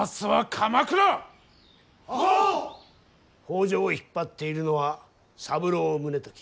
北条を引っ張っているのは三郎宗時。